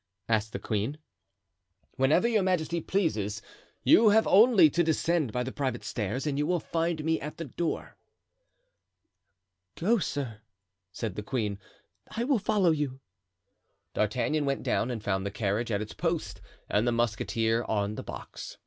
asked the queen. "Whenever your majesty pleases. You have only to descend by the private stairs and you will find me at the door." "Go, sir," said the queen; "I will follow you." D'Artagnan went down and found the carriage at its post and the musketeer on the box.